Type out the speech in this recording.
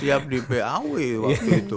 saya sampaikan ke ketua fraksi waktu itu